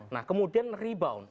nah kemudian rebound